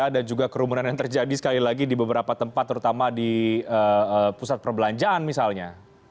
juga kerumunan yang terjadi sekali lagi di beberapa tempat terutama di pusat perbelanjaan misalnya